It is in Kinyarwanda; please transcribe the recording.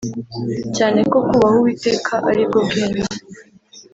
Cyane ko kubaha uwiteka aribwo bwenge